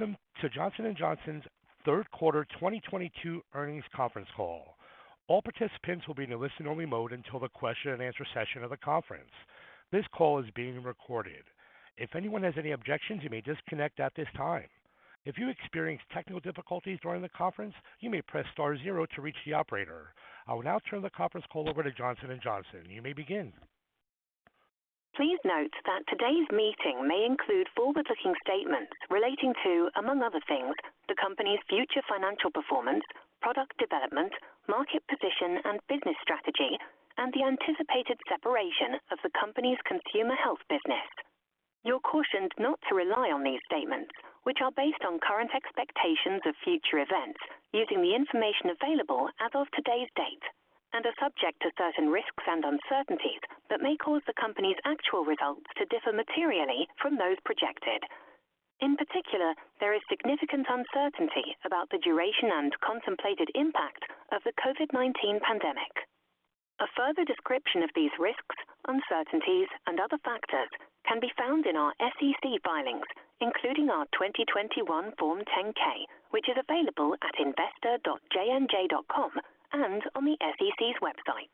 Welcome to Johnson & Johnson's Q3 2022 earnings conference call. All participants will be in a listen-only mode until the question-and-answer session of the conference. This call is being recorded. If anyone has any objections, you may disconnect at this time. If you experience technical difficulties during the conference, you may press star 0 to reach the operator. I will now turn the conference call over to Johnson & Johnson. You may begin. Please note that today's meeting may include forward-looking statements relating to, among other things, the company's future financial performance, product development, market position, and business strategy, and the anticipated separation of the company's consumer health business. You're cautioned not to rely on these statements, which are based on current expectations of future events using the information available as of today's date and are subject to certain risks and uncertainties that may cause the company's actual results to differ materially from those projected. In particular, there is significant uncertainty about the duration and contemplated impact of the COVID-19 pandemic. A further description of these risks, uncertainties and other factors can be found in our SEC filings, including our 2021 Form 10-K, which is available at investor.jnj.com and on the SEC's website.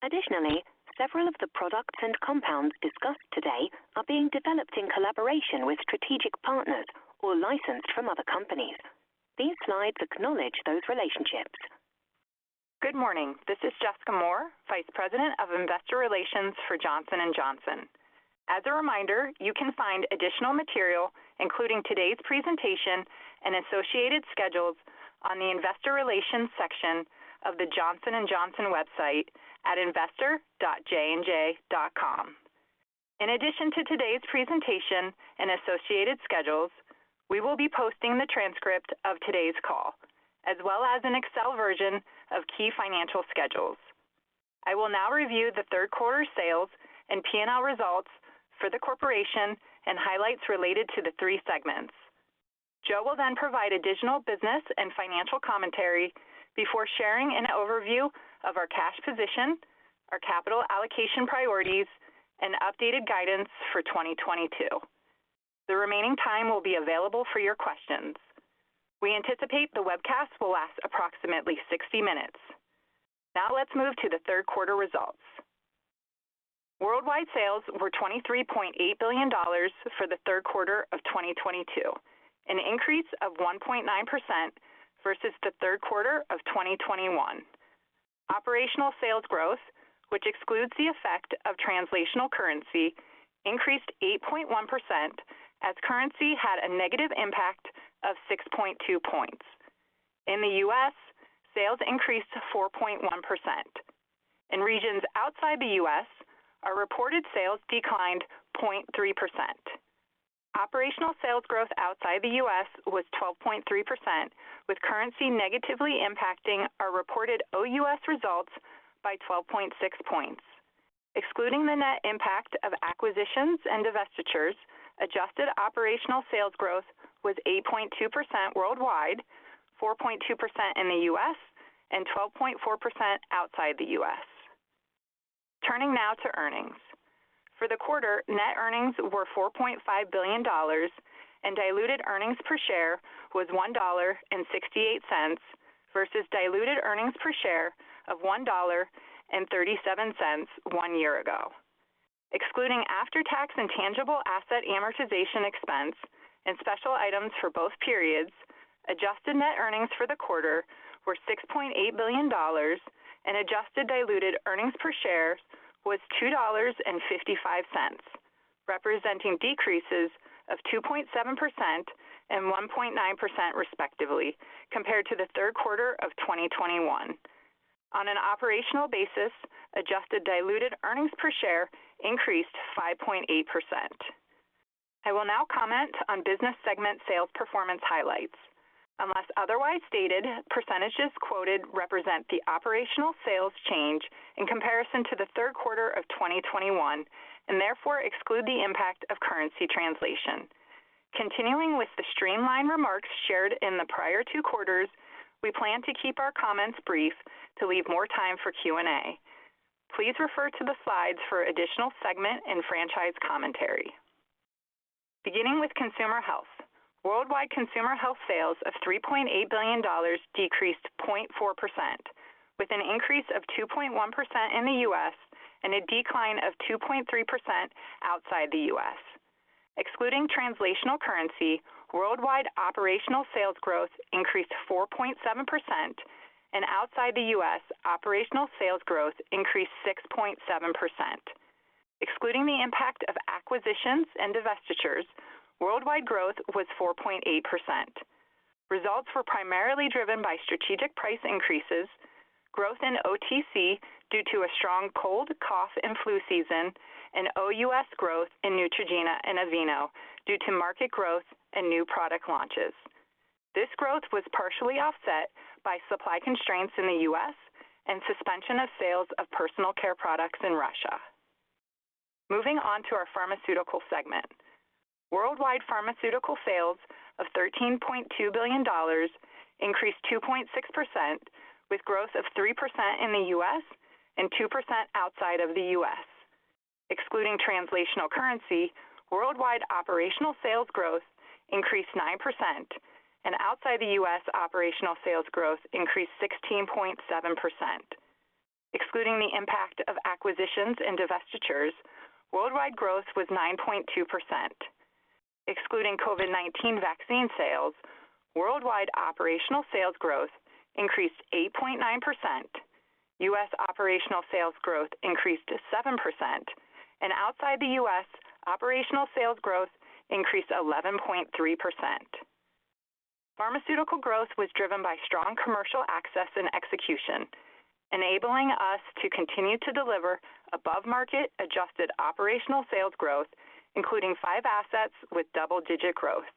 Additionally, several of the products and compounds discussed today are being developed in collaboration with strategic partners or licensed from other companies. These slides acknowledge those relationships. Good morning. This is Jessica Moore, Vice President of Investor Relations for Johnson & Johnson. As a reminder, you can find additional material, including today's presentation and associated schedules, on the Investor Relations section of the Johnson & Johnson website at investor.jnj.com. In addition to today's presentation and associated schedules, we will be posting the transcript of today's call as well as an Excel version of key financial schedules. I will now review theQ3 sales and P&L results for the corporation and highlights related to the 3 segments. Joe will then provide additional business and financial commentary before sharing an overview of our cash position, our capital allocation priorities, and updated guidance for 2022. The remaining time will be available for your questions. We anticipate the webcast will last approximately 60 minutes. Now let's move to the Q3 results. Worldwide sales were $23.8 billion for the Q3 of 2022, an increase of 1.9% versus the Q3 of 2021. Operational sales growth, which excludes the effect of translational currency, increased 8.1% as currency had a negative impact of 6.2 points. In the U.S., sales increased 4.1%. In regions outside the U.S., our reported sales declined 0.3%. Operational sales growth outside the U.S. was 12.3%, with currency negatively impacting our reported OUS results by 12.6 points. Excluding the net impact of acquisitions and divestitures, adjusted operational sales growth was 8.2% worldwide, 4.2% in the U.S. and 12.4% outside the U.S. Turning now to earnings. For the quarter, net earnings were $4.5 billion and diluted earnings per share was $1.68 versus diluted earnings per share of $1.37 1 year ago. Excluding after-tax and tangible asset amortization expense and special items for both periods, adjusted net earnings for the quarter were $6.8 billion and adjusted diluted earnings per share was $2.55, representing decreases of 2.7% and 1.9%, respectively, compared to the Q3 of 2021. On an operational basis, adjusted diluted earnings per share increased 5.8%. I will now comment on business segment sales performance highlights. Unless otherwise stated, percentages quoted represent the operational sales change in comparison to the Q3 of 2021 and therefore exclude the impact of currency translation. Continuing with the streamlined remarks shared in the prior 2 quarters, we plan to keep our comments brief to leave more time for Q&A. Please refer to the slides for additional segment and franchise commentary. Beginning with Consumer Health. Worldwide Consumer Health sales of $3.8 billion decreased 0.4%, with an increase of 2.1% in the U.S. and a decline of 2.3% outside the U.S. Excluding translational currency, worldwide operational sales growth increased 4.7%, and outside the U.S., operational sales growth increased 6.7%. Excluding the impact of acquisitions and divestitures, worldwide growth was 4.8%. Results were primarily driven by strategic price increases, growth in OTC due to a strong cold, cough and flu season, and OUS growth in Neutrogena and Aveeno due to market growth and new product launches. This growth was partially offset by supply constraints in the U.S. and suspension of sales of personal care products in Russia. Moving on to our Pharmaceutical Segment. Worldwide pharmaceutical sales of $13.2 billion increased 2.6%, with growth of 3% in the U.S. and 2% outside of the U.S. Excluding transactional currency, worldwide operational sales growth increased 9% and outside the U.S., operational sales growth increased 16.7%. Excluding the impact of acquisitions and divestitures, worldwide growth was 9.2%. Excluding COVID-19 vaccine sales, worldwide operational sales growth increased 8.9%. U.S. operational sales growth increased to 7%, and outside the U.S., operational sales growth increased 11.3%. Pharmaceutical growth was driven by strong commercial access and execution, enabling us to continue to deliver above-market adjusted operational sales growth, including 5 assets with double-digit growth.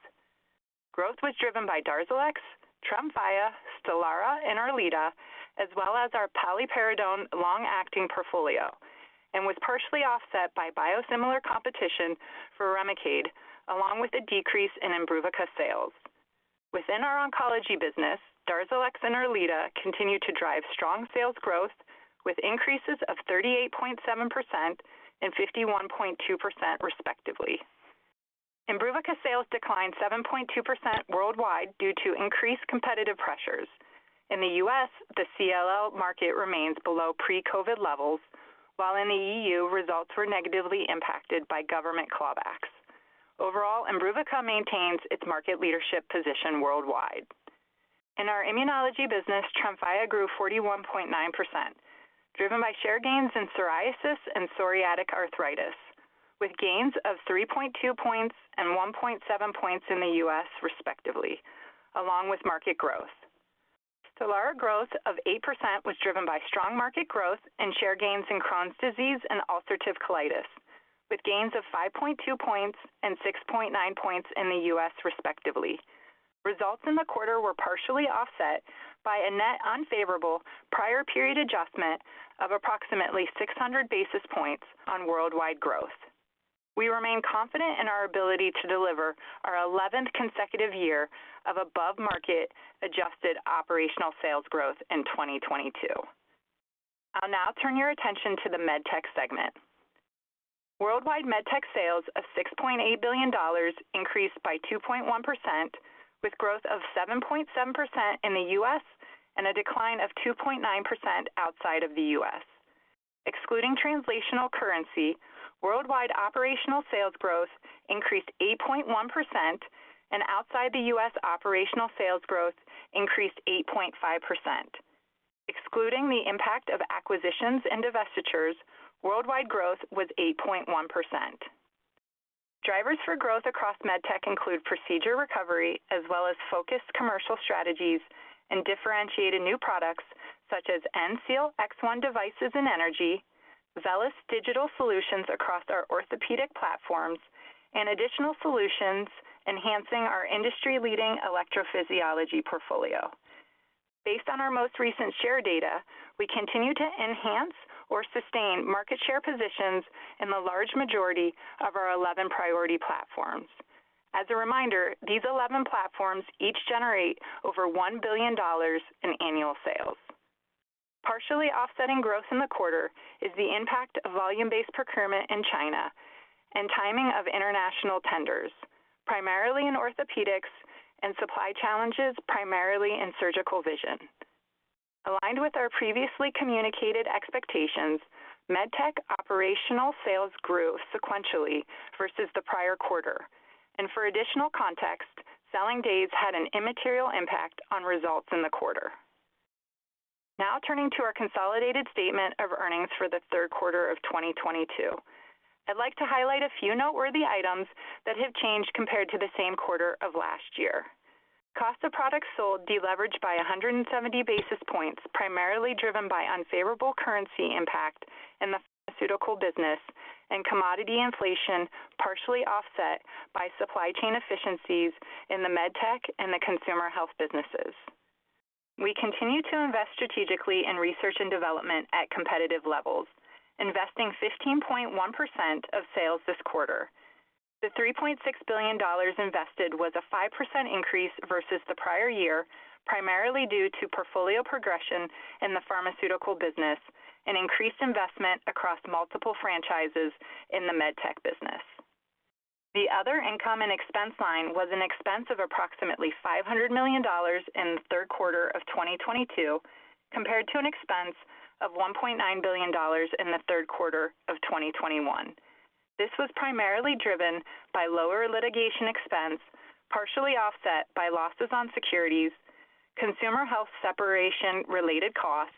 Growth was driven by Darzalex, Tremfya, Stelara, and Erleada, as well as our paliperidone long-acting portfolio, and was partially offset by biosimilar competition for Remicade, along with a decrease in IMBRUVICA sales. Within our oncology business, Darzalex and Erleada continued to drive strong sales growth, with increases of 38.7% and 51.2%, respectively. IMBRUVICA sales declined 7.2% worldwide due to increased competitive pressures. In the U.S., the CLL market remains below pre-COVID levels, while in the E.U., results were negatively impacted by government clawbacks. Overall, IMBRUVICA maintains its market leadership position worldwide. In our immunology business, Tremfya grew 41.9%, driven by share gains in psoriasis and psoriatic arthritis, with gains of 3.2 points and 1.7 points in the U.S. respectively, along with market growth. Stelara growth of 8% was driven by strong market growth and share gains in Crohn's disease and ulcerative colitis, with gains of 5.2 points and 6.9 points in the U.S. respectively. Results in the quarter were partially offset by a net unfavorable prior period adjustment of approximately 600 basis points on worldwide growth. We remain confident in our ability to deliver our 11th consecutive year of above-market adjusted operational sales growth in 2022. I'll now turn your attention to the MedTech segment. Worldwide MedTech sales of $6.8 billion increased by 2.1%, with growth of 7.7% in the U.S. and a decline of 2.9% outside of the U.S. Excluding translational currency, worldwide operational sales growth increased 8.1%, and outside the U.S., operational sales growth increased 8.5%. Excluding the impact of acquisitions and divestitures, worldwide growth was 8.1%. Drivers for growth across MedTech include procedure recovery as well as focused commercial strategies and differentiated new products such as ENSEAL X1 devices in energy, VELYS digital solutions across our orthopedic platforms, and additional solutions enhancing our industry-leading electrophysiology portfolio. Based on our most recent share data, we continue to enhance or sustain market share positions in the large majority of our 11 priority platforms. As a reminder, these 11 platforms each generate over $1 billion in annual sales. Partially offsetting growth in the quarter is the impact of volume-based procurement in China and timing of international tenders, primarily in orthopedics and supply challenges, primarily in surgical vision. Aligned with our previously communicated expectations, MedTech operational sales grew sequentially versus the prior quarter. For additional context, selling days had an immaterial impact on results in the quarter. Now turning to our consolidated statement of earnings for the third quarter of 2022. I'd like to highlight a few noteworthy items that have changed compared to the same quarter of last year. Cost of products sold deleveraged by 170 basis points, primarily driven by unfavorable currency impact in the pharmaceutical business and commodity inflation, partially offset by supply chain efficiencies in the MedTech and the consumer health businesses. We continue to invest strategically in research and development at competitive levels, investing 15.1% of sales this quarter. The $3.6 billion invested was a 5% increase versus the prior year, primarily due to portfolio progression in the pharmaceutical business and increased investment across multiple franchises in the MedTech business. The other income and expense line was an expense of approximately $500 million in the third quarter of 2022, compared to an expense of $1.9 billion in the third quarter of 2021. This was primarily driven by lower litigation expense, partially offset by losses on securities, consumer health separation-related costs,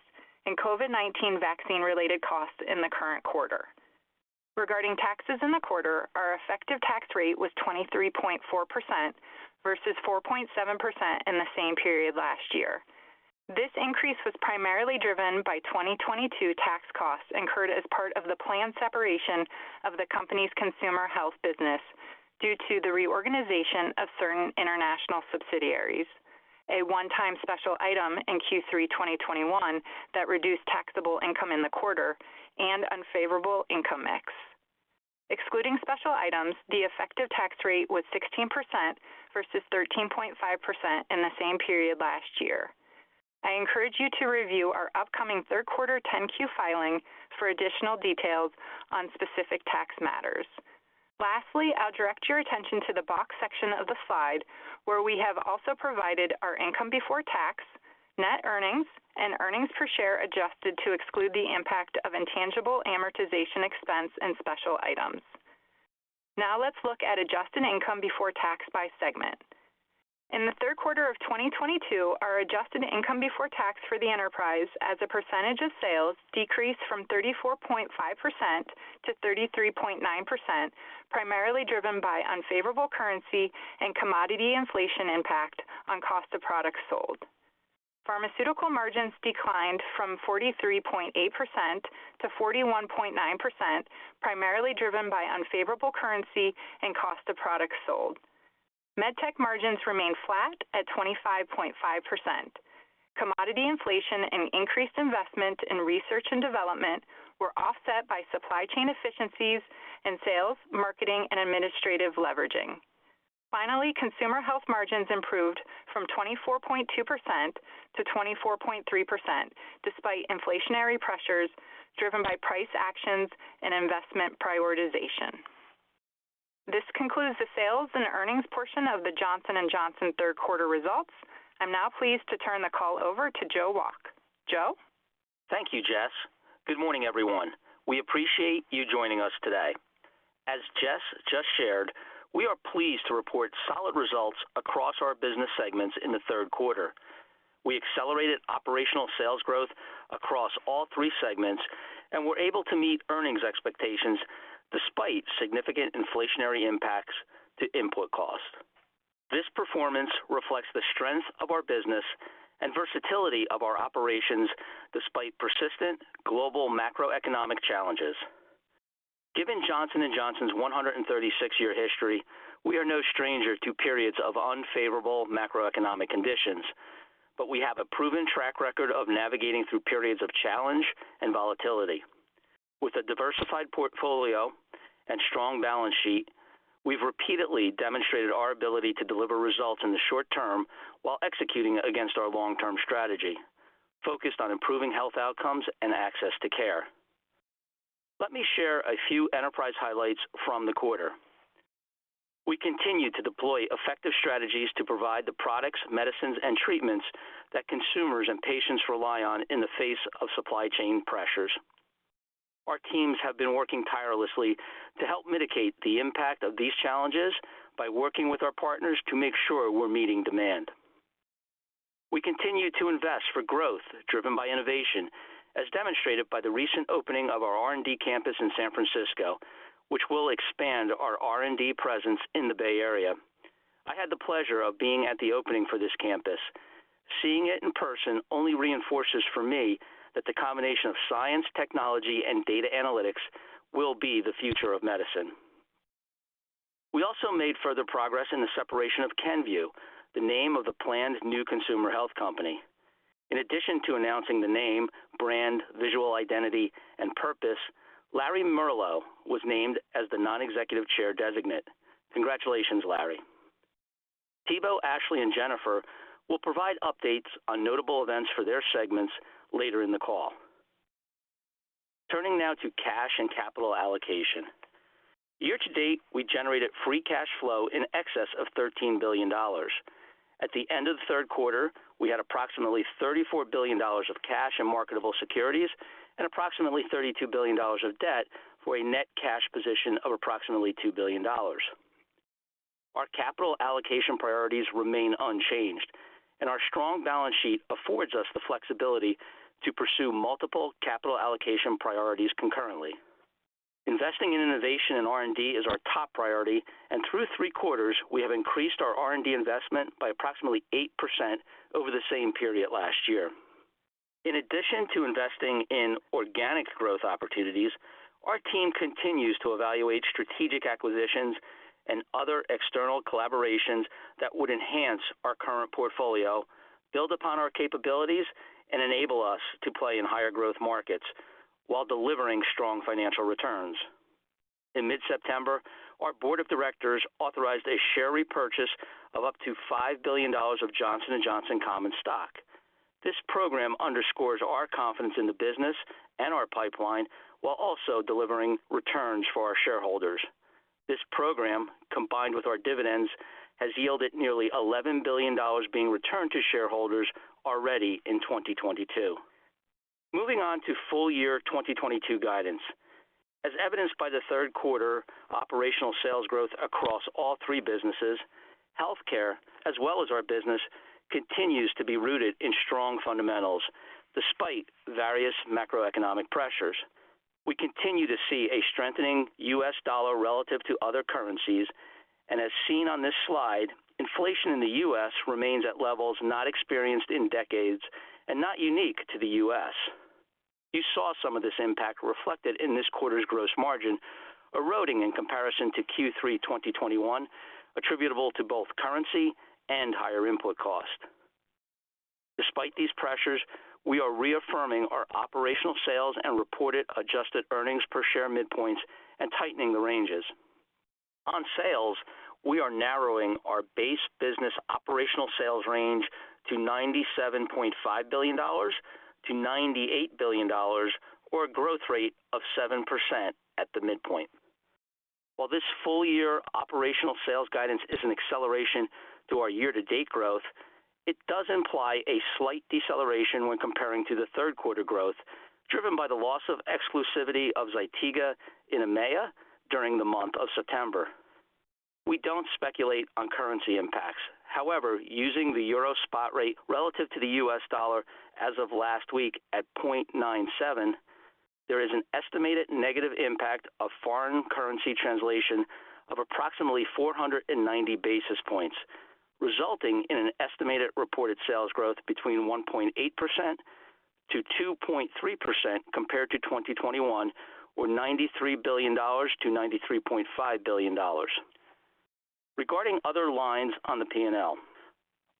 and COVID-19 vaccine-related costs in the current quarter. Regarding taxes in the quarter, our effective tax rate was 23.4% versus 4.7% in the same period last year. This increase was primarily driven by 2022 tax costs incurred as part of the planned separation of the company's consumer health business due to the reorganization of certain international subsidiaries, a `1-time special item in Q3 2021 that reduced taxable income in the quarter, and unfavorable income mix. Excluding special items, the effective tax rate was 16% versus 13.5% in the same period last year. I encourage you to review our upcoming third quarter 10-Q filing for additional details on specific tax matters. Lastly, I'll direct your attention to the box section of the slide where we have also provided our income before tax, net earnings, and earnings per share adjusted to exclude the impact of intangible amortization expense and special items. Now let's look at adjusted income before tax by segment. In the Q3 of 2022, our adjusted income before tax for the enterprise as a percentage of sales decreased from 34.5% to 33.9%, primarily driven by unfavorable currency and commodity inflation impact on cost of products sold. Pharmaceutical margins declined from 43.8% to 41.9%, primarily driven by unfavorable currency and cost of products sold. MedTech margins remained flat at 25.5%. Commodity inflation and increased investment in research and development were offset by supply chain efficiencies and sales, marketing, and administrative leveraging. Finally, Consumer Health margins improved from 24.2% to 24.3% despite inflationary pressures driven by price actions and investment prioritization. This concludes the sales and earnings portion of the Johnson & Johnson third quarter results. I'm now pleased to turn the call over to Joe Wolk. Joe? Thank you, Jess. Good morning, everyone. We appreciate you joining us today. As Jessica just shared, we are pleased to report solid results across our business segments in the third quarter. We accelerated operational sales growth across all 3 segments, and were able to meet earnings expectations despite significant inflationary impacts to input costs. This performance reflects the strength of our business and versatility of our operations despite persistent global macroeconomic challenges. Given Johnson & Johnson's 136-year history, we are no stranger to periods of unfavorable macroeconomic conditions, but we have a proven track record of navigating through periods of challenge and volatility. With a diversified portfolio and strong balance sheet, we've repeatedly demonstrated our ability to deliver results in the short term while executing against our long-term strategy focused on improving health outcomes and access to care. Let me share a few enterprise highlights from the quarter. We continue to deploy effective strategies to provide the products, medicines, and treatments that consumers and patients rely on in the face of supply chain pressures. Our teams have been working tirelessly to help mitigate the impact of these challenges by working with our partners to make sure we're meeting demand. We continue to invest for growth driven by innovation, as demonstrated by the recent opening of our R&D campus in San Francisco, which will expand our R&D presence in the Bay Area. I had the pleasure of being at the opening for this campus. Seeing it in person only reinforces for me that the combination of science, technology, and data analytics will be the future of medicine. We also made further progress in the separation of Kenvue, the name of the planned new consumer health company. In addition to announcing the name, brand, visual identity, and purpose, Larry Merlo was named as the non-executive chair designate. Congratulations, Larry. Thibaut, Ashley, and Jennifer will provide updates on notable events for their segments later in the call. Turning now to cash and capital allocation. Year to date, we generated free cash flow in excess of $13 billion. At the end of the third quarter, we had approximately $34 billion of cash and marketable securities and approximately $32 billion of debt for a net cash position of approximately $2 billion. Our capital allocation priorities remain unchanged, and our strong balance sheet affords us the flexibility to pursue multiple capital allocation priorities concurrently. Investing in innovation and R&D is our top priority, and through 3 quarters, we have increased our R&D investment by approximately 8% over the same period last year. In addition to investing in organic growth opportunities, our team continues to evaluate strategic acquisitions and other external collaborations that would enhance our current portfolio, build upon our capabilities, and enable us to play in higher growth markets while delivering strong financial returns. In mid-September, our board of directors authorized a share repurchase of up to $5 billion of Johnson & Johnson common stock. This program underscores our confidence in the business and our pipeline while also delivering returns for our shareholders. This program, combined with our dividends, has yielded nearly $11 billion being returned to shareholders already in 2022. Moving on to full year 2022 guidance. As evidenced by the Q3 operational sales growth across all 3 businesses, healthcare, as well as our business, continues to be rooted in strong fundamentals despite various macroeconomic pressures. We continue to see a strengthening U.S. dollar relative to other currencies. As seen on this slide, inflation in the U.S. remains at levels not experienced in decades and not unique to the U.S. You saw some of this impact reflected in this quarter's gross margin eroding in comparison to Q3 2021, attributable to both currency and higher input cost. Despite these pressures, we are reaffirming our operational sales and reported adjusted earnings per share midpoints and tightening the ranges. On sales, we are narrowing our base business operational sales range to $97.5 billion-$98 billion or a growth rate of 7% at the midpoint. While this full year operational sales guidance is an acceleration to our year-to-date growth, it does imply a slight deceleration when comparing to the Q3 growth, driven by the loss of exclusivity of ZYTIGA in EMEA during the month of September. We don't speculate on currency impacts. However, using the euro spot rate relative to the US dollar as of last week at 0.97, there is an estimated negative impact of foreign currency translation of approximately 490 basis points, resulting in an estimated reported sales growth between 1.8%-2.3% compared to 2021 or $93 billion-$93.5 billion. Regarding other lines on the P&L.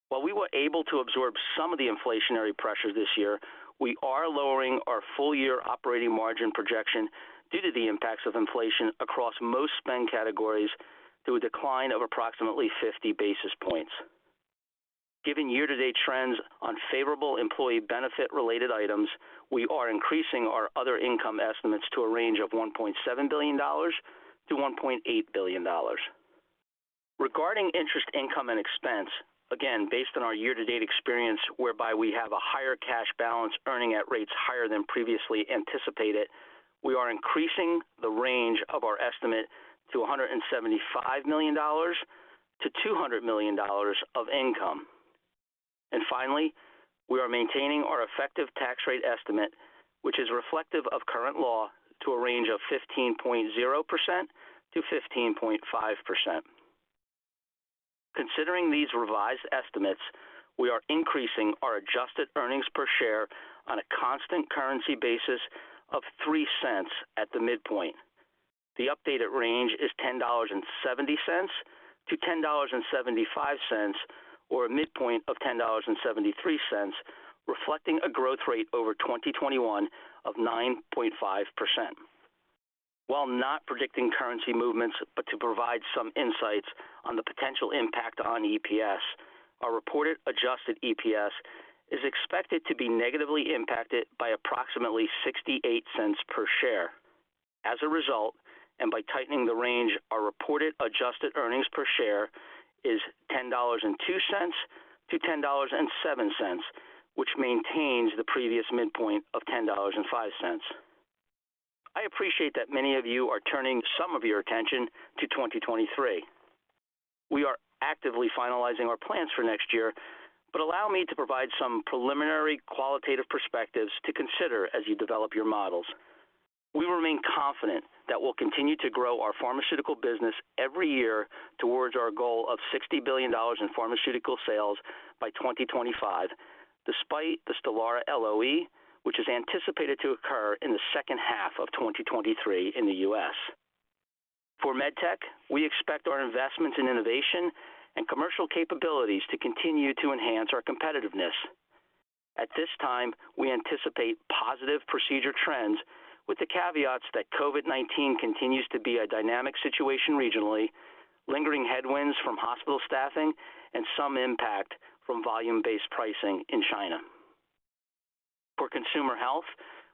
While we were able to absorb some of the inflationary pressures this year, we are lowering our full year operating margin projection due to the impacts of inflation across most spend categories through a decline of approximately 50 basis points. Given year-to-date trends on favorable employee benefit related items, we are increasing our other income estimates to a range of $1.7 billion-$1.8 billion. Regarding interest income and expense, again, based on our year-to-date experience whereby we have a higher cash balance earning at rates higher than previously anticipated, we are increasing the range of our estimate to $175 million-$200 million of income. Finally, we are maintaining our effective tax rate estimate, which is reflective of current law, to a range of 15.0%-15.5%. Considering these revised estimates, we are increasing our adjusted earnings per share on a constant currency basis by $0.03 at the midpoint. The updated range is $10.70-$10.75, or a midpoint of $10.73, reflecting a growth rate over 2021 of 9.5%. While not predicting currency movements, but to provide some insights on the potential impact on EPS, our reported adjusted EPS is expected to be negatively impacted by approximately $0.68 per share. As a result, by tightening the range, our reported adjusted earnings per share is $10.02-$10.07, which maintains the previous midpoint of $10.05. I appreciate that many of you are turning some of your attention to 2023. We are actively finalizing our plans for next year, but allow me to provide some preliminary qualitative perspectives to consider as you develop your models. We remain confident that we'll continue to grow our pharmaceutical business every year towards our goal of $60 billion in pharmaceutical sales by 2025, despite the Stelara LOE, which is anticipated to occur in the H2 of 2023 in the U.S. For MedTech, we expect our investments in innovation and commercial capabilities to continue to enhance our competitiveness. At this time, we anticipate positive procedure trends with the caveats that COVID-19 continues to be a dynamic situation regionally, lingering headwinds from hospital staffing and some impact from volume-based pricing in China. For Consumer Health,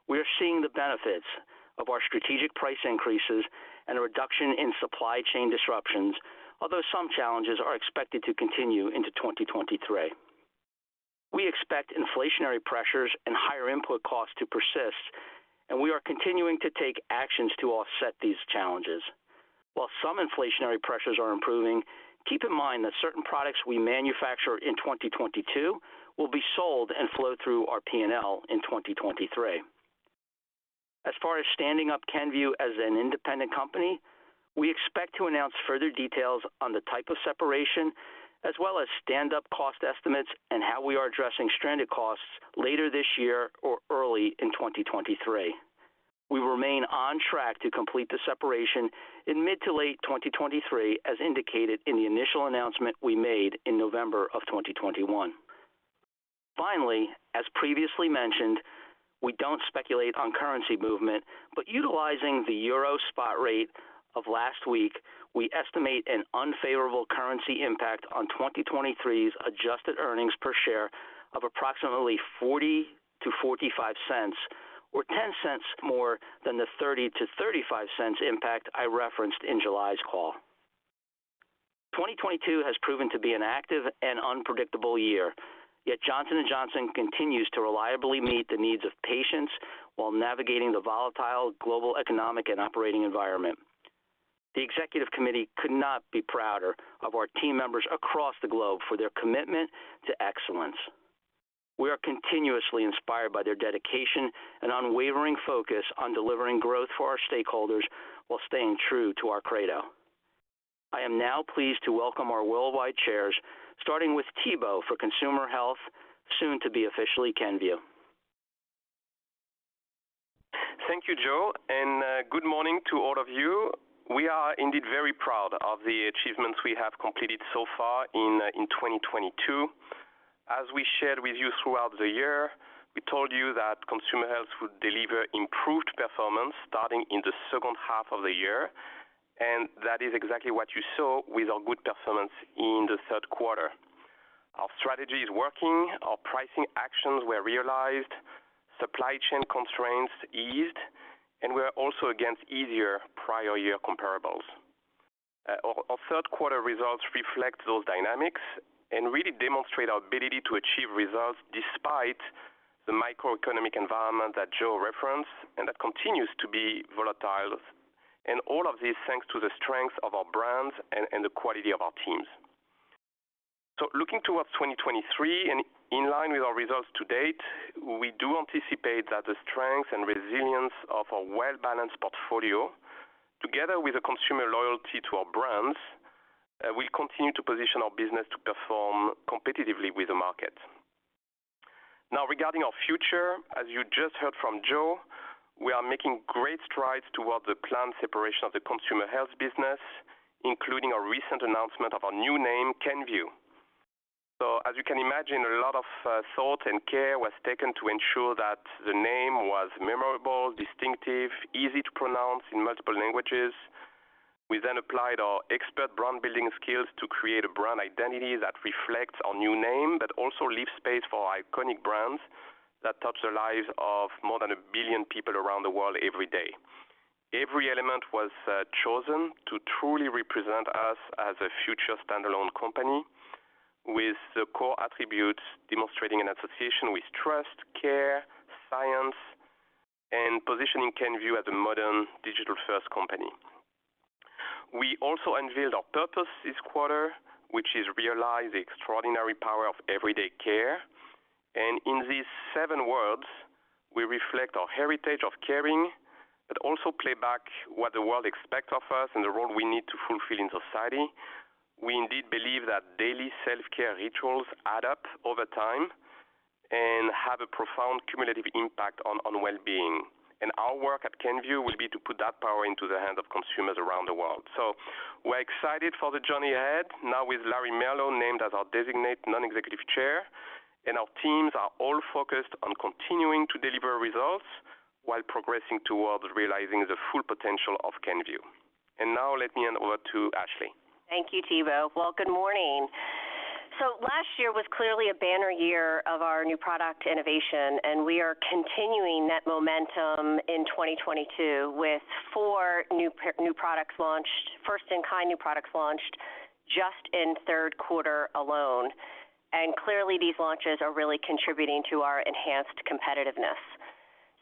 we are seeing the benefits of our strategic price increases and a reduction in supply chain disruptions. Although some challenges are expected to continue into 2023. We expect inflationary pressures and higher input costs to persist, and we are continuing to take actions to offset these challenges. While some inflationary pressures are improving, keep in mind that certain products we manufacture in 2022 will be sold and flow through our P&L in 2023. As far as standing up Kenvue as an independent company, we expect to announce further details on the type of separation as well as stand up cost estimates and how we are addressing stranded costs later this year or early in 2023. We remain on track to complete the separation in mid to late 2023, as indicated in the initial announcement we made in November of 2021. Finally, as previously mentioned, we don't speculate on currency movement, but utilizing the euro spot rate of last week, we estimate an unfavorable currency impact on 2023's adjusted earnings per share of approximately $0.40-$0.45, or 10 cents more than the 30-35 cents impact I referenced in July's call. 2022 has proven to be an active and unpredictable year. Yet Johnson & Johnson continues to reliably meet the needs of patients while navigating the volatile global economic and operating environment. The executive committee could not be prouder of our team members across the globe for their commitment to excellence. We are continuously inspired by their dedication and unwavering focus on delivering growth for our stakeholders while staying true to our credo. I am now pleased to welcome our worldwide chairs, starting with Thibaut for Consumer Health, soon to be officially Kenvue. Thank you, Joe, and good morning to all of you. We are indeed very proud of the achievements we have completed so far in 2022. As we shared with you throughout the year, we told you that consumer health would deliver improved performance starting in the H2 of the year, and that is exactly what you saw with our good performance in the Q3. Our strategy is working, our pricing actions were realized, supply chain constraints eased, and we are also against easier prior year comparables. Our third quarter results reflect those dynamics and really demonstrate our ability to achieve results despite the macroeconomic environment that Joe referenced and that continues to be volatile. All of this thanks to the strength of our brands and the quality of our teams. Looking towards 2023 and in line with our results to date, we do anticipate that the strength and resilience of our well-balanced portfolio, together with the consumer loyalty to our brands, will continue to position our business to perform competitively with the market. Now regarding our future, as you just heard from Joe, we are making great strides towards the planned separation of the consumer health business, including our recent announcement of our new name, Kenvue. As you can imagine, a lot of thought and care was taken to ensure that the name was memorable, distinctive, easy to pronounce in multiple languages. We then applied our expert brand-building skills to create a brand identity that reflects our new name, but also leaves space for our iconic brands that touch the lives of more than a billion people around the world every day. Every element was chosen to truly represent us as a future standalone company with the core attributes demonstrating an association with trust, care, science, and positioning Kenvue as a modern digital-first company. We also unveiled our purpose this quarter, which is realize the extraordinary power of everyday care. In these 7 words, we reflect our heritage of caring, but also play back what the world expects of us and the role we need to fulfill in society. We indeed believe that daily self-care rituals add up over time and have a profound cumulative impact on well-being. Our work at Kenvue will be to put that power into the hands of consumers around the world. We're excited for the journey ahead, now with Larry Merlo named as our Non-Executive Chair Designate, and our teams are all focused on continuing to deliver results while progressing towards realizing the full potential of Kenvue. Now let me hand over to Ashley. Thank you, Thibaut. Well, good morning. Last year was clearly a banner year of our new product innovation, and we are continuing that momentum in 2022 with 4 new products launched, first-in-kind new products launched just in third quarter alone. These launches are really contributing to our enhanced competitiveness.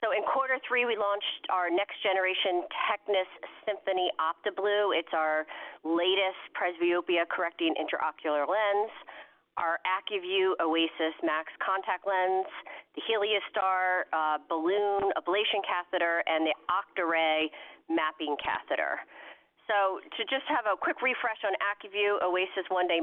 In Q3, we launched our next generation TECNIS Symfony OptiBlue. It's our latest presbyopia correcting intraocular lens. Our ACUVUE OASYS MAX 1-Day contact lens, the HELIOSTAR balloon ablation catheter, and the OCTARAY mapping catheter. To just have a quick refresh on ACUVUE OASYS MAX 1-Day.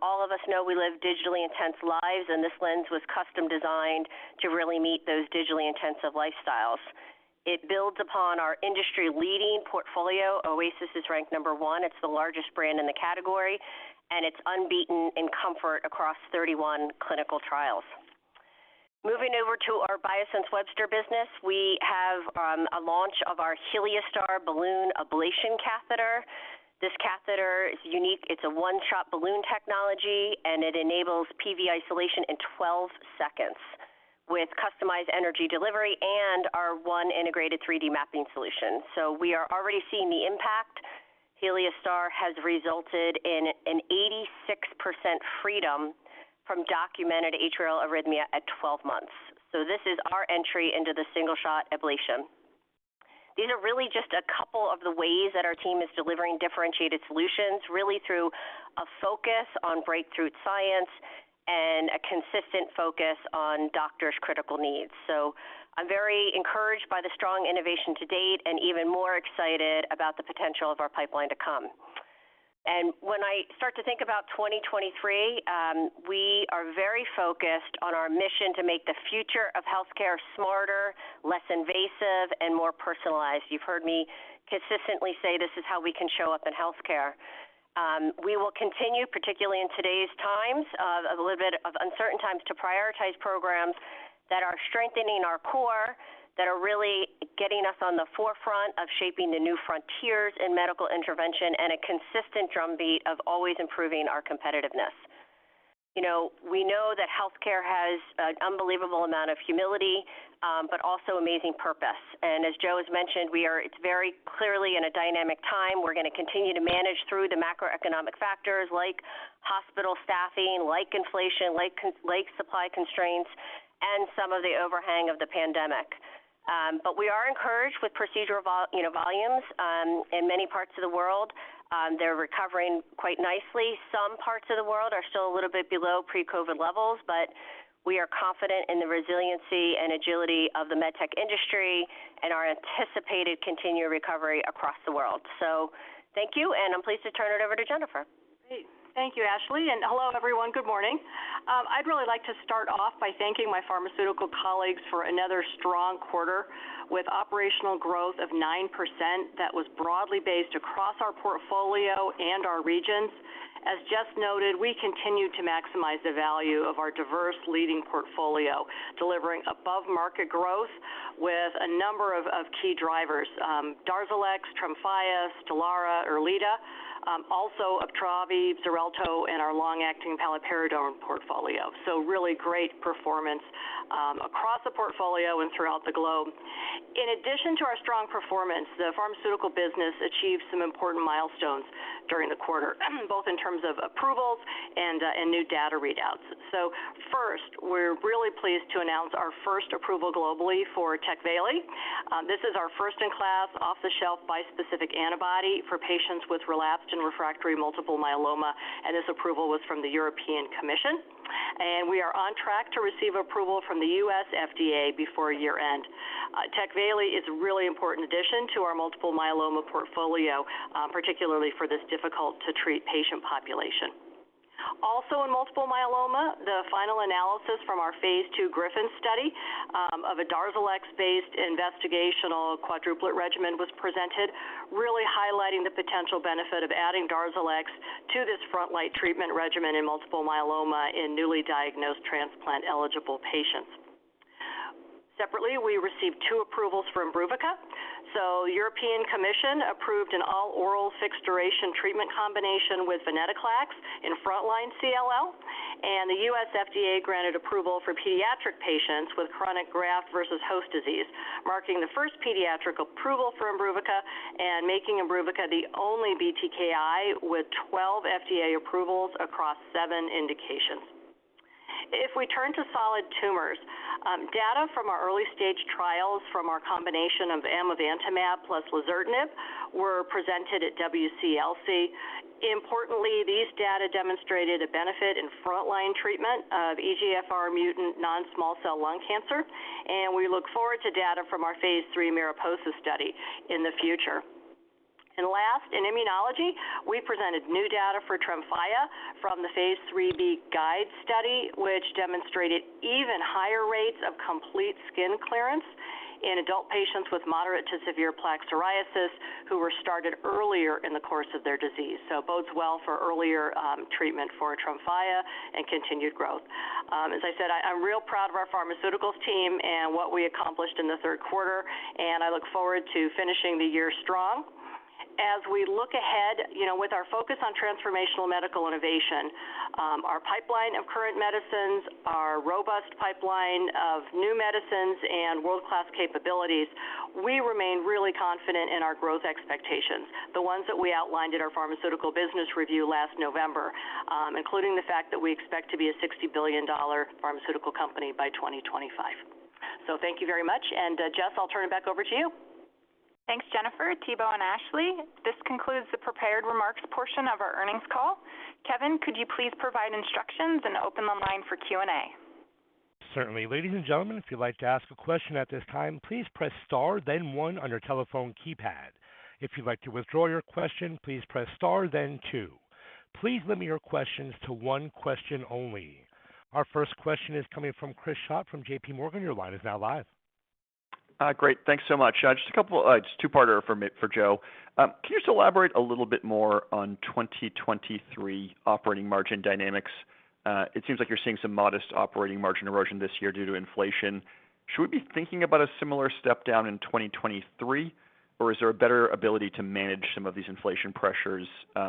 All of us know we live digitally intense lives, and this lens was custom designed to really meet those digitally intensive lifestyles. It builds upon our industry-leading portfolio. Oasis is ranked number one. It's the largest brand in the category, and it's unbeaten in comfort across 31 clinical trials. Moving over to our Biosense Webster business, we have a launch of our HELIOSTAR balloon ablation catheter. This catheter is unique. It's a one-shot balloon technology, and it enables PV isolation in 12 seconds with customized energy delivery and our 1 integrated 3-D mapping solution. We are already seeing the impact. HELIOSTAR has resulted in an 86% freedom from documented atrial arrhythmia at 12 months. This is our entry into the single-shot ablation. These are really just a couple of the ways that our team is delivering differentiated solutions, really through a focus on breakthrough science and a consistent focus on doctors' critical needs. I'm very encouraged by the strong innovation to date and even more excited about the potential of our pipeline to come. When I start to think about 2023, we are very focused on our mission to make the future of healthcare smarter, less invasive, and more personalized. You've heard me consistently say this is how we can show up in healthcare. We will continue, particularly in today's times of a little bit of uncertain times, to prioritize programs that are strengthening our core, that are really getting us on the forefront of shaping the new frontiers in medical intervention and a consistent drumbeat of always improving our competitiveness. You know, we know that healthcare has an unbelievable amount of humility, but also amazing purpose. As Joe has mentioned, we're very clearly in a dynamic time. We're gonna continue to manage through the macroeconomic factors like hospital staffing, like inflation, like supply constraints, and some of the overhang of the pandemic. We are encouraged with procedural volume, you know, volumes. In many parts of the world, they're recovering quite nicely. Some parts of the world are still a little bit below pre-COVID levels, but we are confident in the resiliency and agility of the MedTech industry and our anticipated continued recovery across the world. Thank you, and I'm pleased to turn it over to Jennifer. Great. Thank you, Ashley. Hello, everyone. Good morning. I'd like to start off by thanking my pharmaceutical colleagues for another strong quarter with operational growth of 9% that was broadly based across our portfolio and our regions. As Jessicah noted, we continue to maximize the value of our diverse leading portfolio, delivering above-market growth with a number of key drivers, Darzalex, Tremfya, Stelara, Erleada, also IMBRUVICA, Xarelto, and our long-acting paliperidone portfolio. Really great performance across the portfolio and throughout the globe. In addition to our strong performance, the pharmaceutical business achieved some important milestones during the quarter, both in terms of approvals and new data readouts. First, we're really pleased to announce our first approval globally for TECVAYLI. This is our first-in-class off-the-shelf bispecific antibody for patients with relapsed and refractory multiple myeloma, and this approval was from the European Commission. We are on track to receive approval from the U.S. FDA before year-end. TECVAYLI is a really important addition to our multiple myeloma portfolio, particularly for this difficult to treat patient population. Also, in multiple myeloma, the final analysis from our phase 2 GRIFFIN study of a Darzalex-based investigational quadruplet regimen was presented, really highlighting the potential benefit of adding Darzalex to this frontline treatment regimen in multiple myeloma in newly diagnosed transplant-eligible patients. Separately, we received 2 approvals from IMBRUVICA. European Commission approved an all oral fixed duration treatment combination with venetoclax in frontline CLL, and the U.S. FDA granted approval for pediatric patients with chronic graft versus host disease, marking the first pediatric approval for IMBRUVICA and making IMBRUVICA the only BTKI with 12 FDA approvals across 7 indications. If we turn to solid tumors, data from our early-stage trials from our combination of Amivantamab + Lazertinib were presented at WCLC. Importantly, these data demonstrated a benefit in frontline treatment of EGFR mutant non-small cell lung cancer, and we look forward to data from our phase 3 MARIPOSA study in the future. Last, in immunology, we presented new data for Tremfya from the phase 3 B-GUIDE study, which demonstrated even higher rates of complete skin clearance in adult patients with moderate to severe plaque psoriasis who were started earlier in the course of their disease. Bodes well for earlier treatment for Tremfya and continued growth. As I said, I'm real proud of our pharmaceuticals team and what we accomplished in the third quarter, and I look forward to finishing the year strong. As we look ahead, you know, with our focus on transformational medical innovation, our pipeline of current medicines, our robust pipeline of new medicines and world-class capabilities, we remain really confident in our growth expectations, the ones that we outlined in our pharmaceutical business review last November, including the fact that we expect to be a $60 billion pharmaceutical company by 2025. Thank you very much. Jess, I'll turn it back over to you. Thanks, Jennifer, Thibaut, and Ashley. This concludes the prepared remarks portion of our earnings call. Kevin, could you please provide instructions and open the line for Q&A? Certainly. Ladies and gentlemen, if you'd like to ask a question at this time, please press star, then 1 on your telephone keypad. If you'd like to withdraw your question, please press star then 2. Please limit your questions to 1 question only. Our first question is coming from Chris Schott from JPMorgan. Your line is now live. Great. Thanks so much. Just a 2-parter for Joe. Can you just elaborate a little bit more on 2023 operating margin dynamics? It seems like you're seeing some modest operating margin erosion this year due to inflation. Should we be thinking about a similar step down in 2023, or is there a better ability to manage some of these inflation pressures, as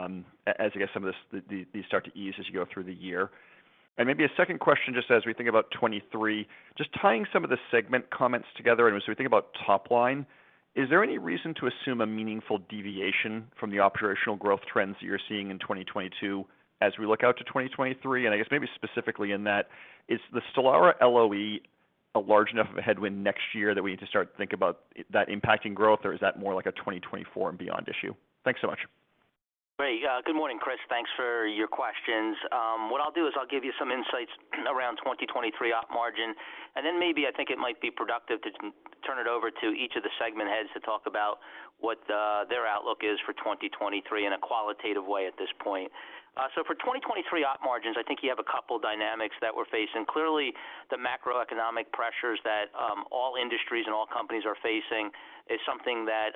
I guess some of this, these start to ease as you go through the year? Maybe a second question, just as we think about 2023, just tying some of the segment comments together, and as we think about top line, is there any reason to assume a meaningful deviation from the operational growth trends that you're seeing in 2022 as we look out to 2023? I guess maybe specifically in that, is the Stelara LOE a large enough of a headwind next year that we need to start to think about that impacting growth, or is that more like a 2024 and beyond issue? Thanks so much. Great. Good morning, Chris. Thanks for your questions. What I'll do is I'll give you some insights around 2023 op margin, and then maybe I think it might be productive to turn it over to each of the segment heads to talk about what, their outlook is for 2023 in a qualitative way at this point. So for 2023 op margins, I think you have a couple dynamics that we're facing. Clearly, the macroeconomic pressures that, all industries and all companies are facing is something that,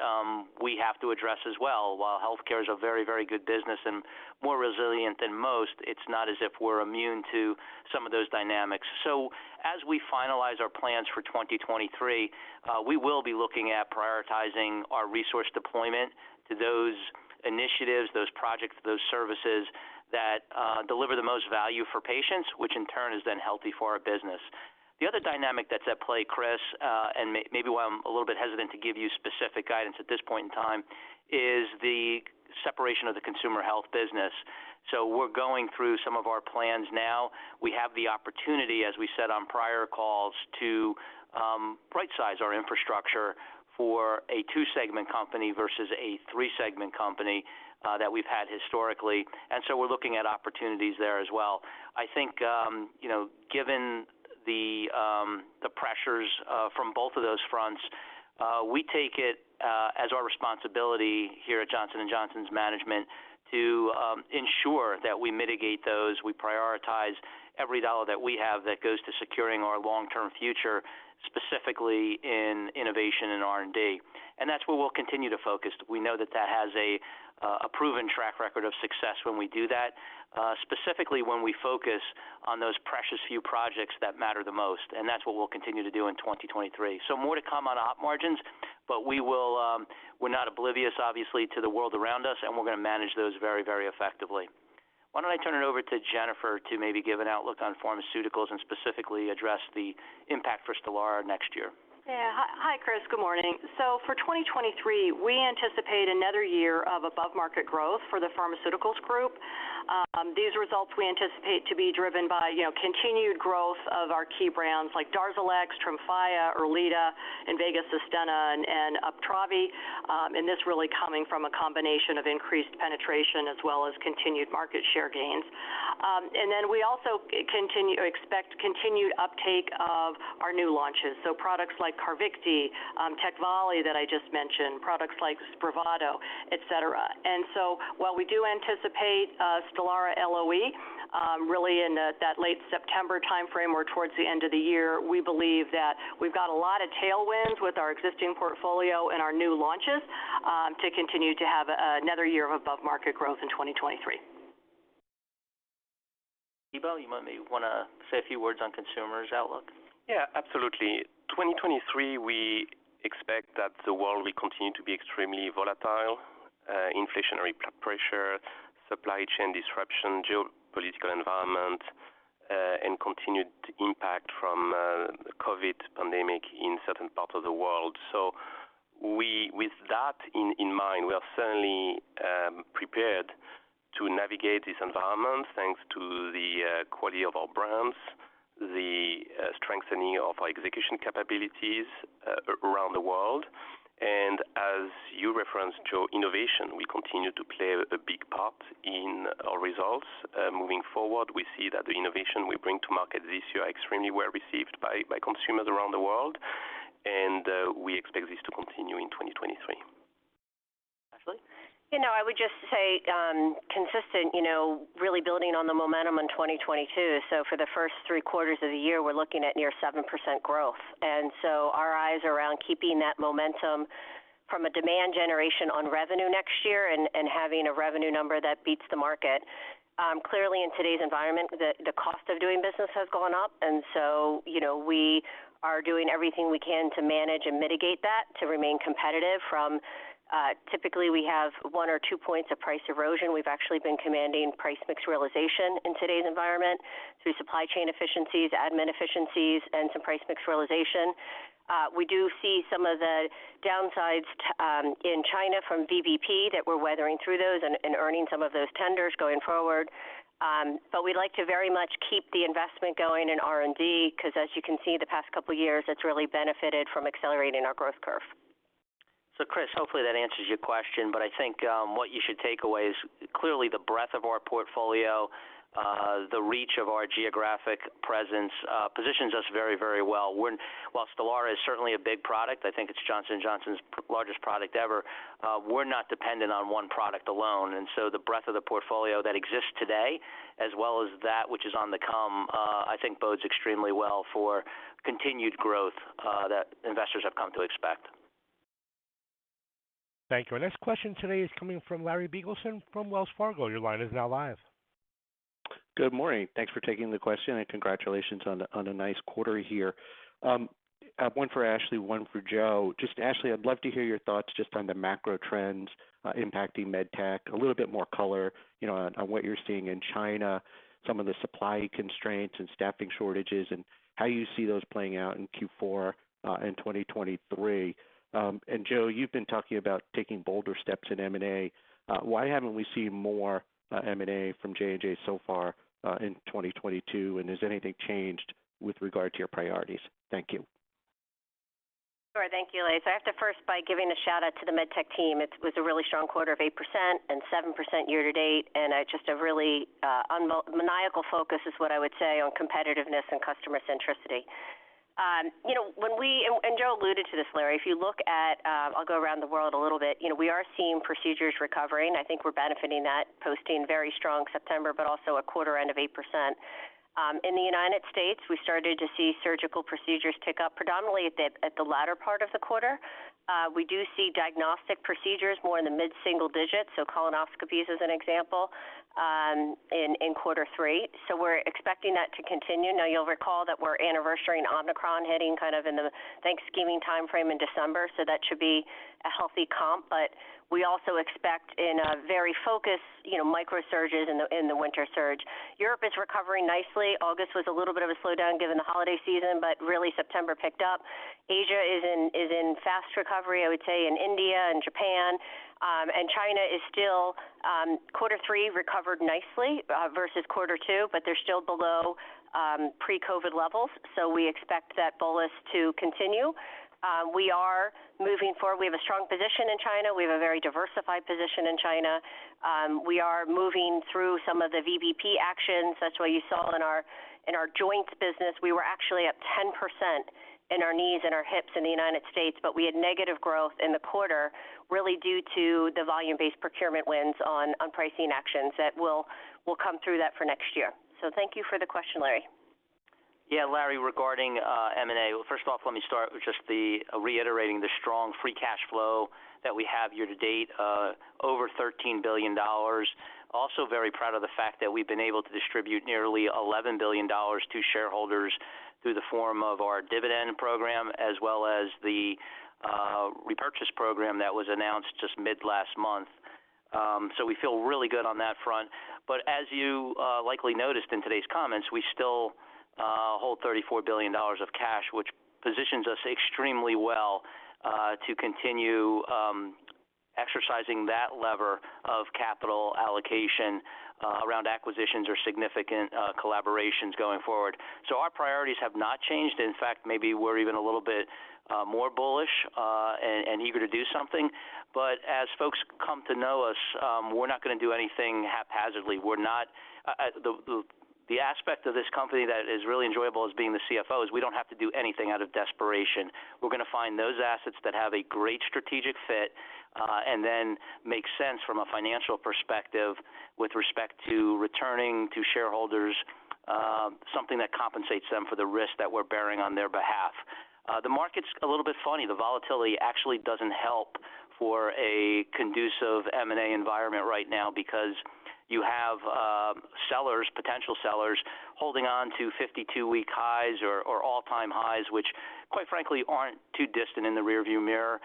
we have to address as well. While healthcare is a very, very good business and more resilient than most, it's not as if we're immune to some of those dynamics. As we finalize our plans for 2023, we will be looking at prioritizing our resource deployment to those initiatives, those projects, those services that deliver the most value for patients, which in turn is then healthy for our business. The other dynamic that's at play, Chris, and maybe why I'm a little bit hesitant to give you specific guidance at this point in time, is the separation of the consumer health business. We're going through some of our plans now. We have the opportunity, as we said on prior calls, to right size our infrastructure for a 2-segment company versus a 3-segment company that we've had historically. We're looking at opportunities there as well. I think, you know, given The pressures from both of those fronts, we take it as our responsibility here at Johnson & Johnson's management to ensure that we mitigate those. We prioritize every dollar that we have that goes to securing our long-term future, specifically in innovation and R&D. That's where we'll continue to focus. We know that that has a proven track record of success when we do that, specifically when we focus on those precious few projects that matter the most, and that's what we'll continue to do in 2023. More to come on op margins, but we will, we're not oblivious obviously to the world around us, and we're gonna manage those very, very effectively. Why don't I turn it over to Jennifer to maybe give an outlook on pharmaceuticals and specifically address the impact for Stelara next year? Yeah. Hi, Chris. Good morning. For 2023, we anticipate another year of above-market growth for the pharmaceuticals group. These results we anticipate to be driven by, you know, continued growth of our key brands like Darzalex, Tremfya, Erleada, INVEGA SUSTENNA, and Uptravi, and this really coming from a combination of increased penetration as well as continued market share gains. We also expect continued uptake of our new launches, so products like CARVYKTI, TECVAYLI that I just mentioned, products like Spravato, et cetera. While we do anticipate Stelara LOE, really in that late September timeframe or towards the end of the year, we believe that we've got a lot of tailwinds with our existing portfolio and our new launches, to continue to have another year of above-market growth in 2023. Thibaut, you might maybe wanna say a few words on consumers' outlook. Yeah, absolutely. 2023, we expect that the world will continue to be extremely volatile, inflationary pressure, supply chain disruption, geopolitical environment, and continued impact from the COVID pandemic in certain parts of the world. With that in mind, we are certainly prepared to navigate this environment thanks to the quality of our brands, the strengthening of our execution capabilities around the world. As you referenced, Joe, innovation will continue to play a big part in our results. Moving forward, we see that the innovation we bring to market this year are extremely well received by consumers around the world, and we expect this to continue in 2023. Ashley? You know, I would just say consistent, you know, really building on the momentum in 2022. For the first 3 quarters of the year, we're looking at near 7% growth. Our eyes are around keeping that momentum from a demand generation on revenue next year and having a revenue number that beats the market. Clearly in today's environment, the cost of doing business has gone up, and you know, we are doing everything we can to manage and mitigate that to remain competitive. Typically we have 1 or 2 points of price erosion. We've actually been commanding price mix realization in today's environment through supply chain efficiencies, admin efficiencies, and some price mix realization. We do see some of the downsides to in China from VBP that we're weathering through those and earning some of those tenders going forward. We'd like to very much keep the investment going in R&D 'cause as you can see the past couple years, it's really benefited from accelerating our growth curve. Chris, hopefully that answers your question, but I think what you should take away is clearly the breadth of our portfolio, the reach of our geographic presence, positions us very, very well. While Stelara is certainly a big product, I think it's Johnson & Johnson's largest product ever, we're not dependent on 1 product alone. And so the breadth of the portfolio that exists today as well as that which is on the come, I think bodes extremely well for continued growth that investors have come to expect. Thank you. Our next question today is coming from Larry Biegelsen from Wells Fargo. Your line is now live. Good morning. Thanks for taking the question, and congratulations on a nice quarter here. I have 1 for Ashley, 1 for Joe. Just Ashley, I'd love to hear your thoughts just on the macro trends impacting MedTech. A little bit more color, you know, on what you're seeing in China, some of the supply constraints and staffing shortages, and how you see those playing out in Q4 in 2023. And Joe, you've been talking about taking bolder steps in M&A. Why haven't we seen more M&A from J&J so far in 2022? Has anything changed with regard to your priorities? Thank you. Sure. Thank you, Larry. I have to first by giving a shout-out to the MedTech team. It was a really strong quarter of 8% and 7% year to date, and just a really unmaniacal focus is what I would say on competitiveness and customer centricity. You know, Joe alluded to this, Larry. If you look at, I'll go around the world a little bit. You know, we are seeing procedures recovering. I think we're benefiting that, posting very strong September, but also a quarter end of 8%. In the United States, we started to see surgical procedures tick up predominantly at the latter part of the quarter. We do see diagnostic procedures more in the mid-single digits, so colonoscopies as an example, in Q3. We're expecting that to continue. Now you'll recall that we're anniversarying Omicron heading kind of into the Thanksgiving timeframe in December, so that should be a healthy comp. We also expect in a very focused, you know, microsurges in the winter surge. Europe is recovering nicely. August was a little bit of a slowdown given the holiday season, but really September picked up. Asia is in fast recovery. I would say in India and Japan. China is still in Q3 recovered nicely versus Q2, but they're still below pre-COVID levels. We expect that bullish to continue. We are moving forward. We have a strong position in China. We have a very diversified position in China. We are moving through some of the VBP actions. That's why you saw, in our joints business, we were actually up 10% in our knees and our hips in the United States, but we had negative growth in the quarter, really due to the Volume-Based Procurement wins on pricing actions that will come through that for next year. Thank you for the question, Larry. Yeah, Larry, regarding M&A. Well, first off, let me start with just reiterating the strong free cash flow that we have year to date, over $13 billion. Also very proud of the fact that we've been able to distribute nearly $11 billion to shareholders in the form of our dividend program as well as the repurchase program that was announced just mid last month. We feel really good on that front. As you likely noticed in today's comments, we still hold $34 billion of cash, which positions us extremely well to continue exercising that lever of capital allocation around acquisitions or significant collaborations going forward. Our priorities have not changed. In fact, maybe we're even a little bit more bullish and eager to do something. As folks come to know us, we're not gonna do anything haphazardly. The aspect of this company that is really enjoyable as being the CFO is we don't have to do anything out of desperation. We're gonna find those assets that have a great strategic fit, and then make sense from a financial perspective with respect to returning to shareholders, something that compensates them for the risk that we're bearing on their behalf. The market's a little bit funny. The volatility actually doesn't help for a conducive M&A environment right now because you have, sellers, potential sellers holding on to 52-week highs or all-time highs, which, quite frankly, aren't too distant in the rearview mirror.